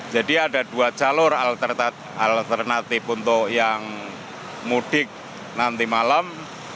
jadi ada dua jalur alternatif untuk yang mudik nanti malam